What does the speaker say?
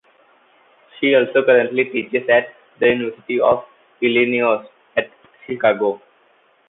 She also currently teaches at the University of Illinois at Chicago.